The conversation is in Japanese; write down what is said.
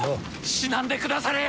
死なんでくだされや！